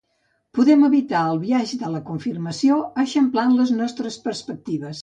Podem evitar el biaix de la confirmació eixamplant les nostres perspectives.